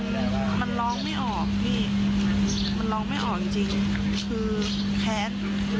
มันร้องไม่ออกพี่มันร้องไม่ออกจริงจริงคือแค้น